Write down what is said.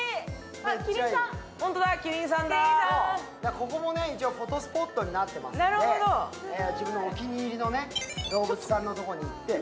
ここも一応フォトスポットになっていますので、自分のお気に入りのどうぶつさんのところに行って。